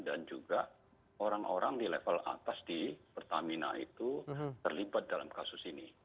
dan juga orang orang di level atas di pertamina itu terlibat dalam kasus ini